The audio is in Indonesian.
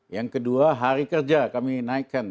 yang kedua hari kerja kami naikkan